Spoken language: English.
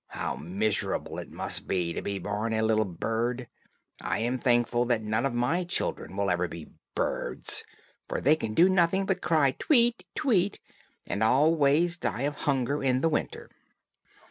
How miserable it must be to be born a little bird! I am thankful that none of my children will ever be birds, for they can do nothing but cry, 'Tweet, tweet,' and always die of hunger in the winter."